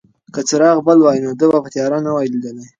که څراغ بل وای نو ده به تیاره نه وای لیدلې.